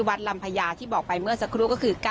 ลำพญาที่บอกไปเมื่อสักครู่ก็คือ